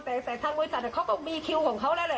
แต่ทางบริษัทเขาก็มีคิวของเขาแล้วแหละ